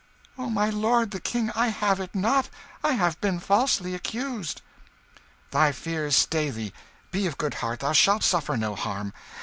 "Oh, my lord the King, I have it not I have been falsely accused." "Thy fears stay thee. Be of good heart, thou shalt suffer no harm.